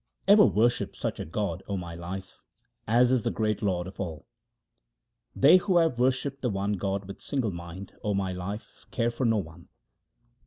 Ever worship such a God, O my life, as is the great Lord of all. They who have worshipped the one God with single mind, O my life, care for no one.